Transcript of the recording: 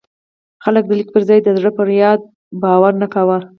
خلک د لیک پر ځای د زړه پر یاد باور نه کاوه.